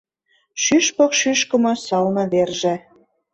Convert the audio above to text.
Шӱшпык шӱшкымӧ сылне верже